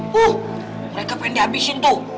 bu mereka pengen dihabisin tuh